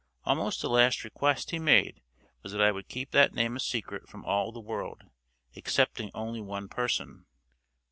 Almost the last request he made was that I would keep that name a secret from all the world excepting only one person."